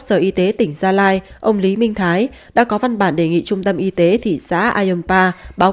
sở y tế tỉnh gia lai ông lý minh thái đã có văn bản đề nghị trung tâm y tế thị xã ayumpa báo